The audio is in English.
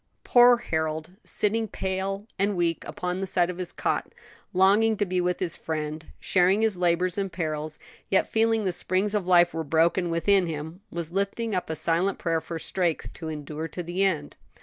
Poor Harold, sitting pale and weak upon the side of his cot, longing to be with his friend, sharing his labors and perils, yet feeling that the springs of life were broken within him, was lifting up a silent prayer for strength to endure to the end.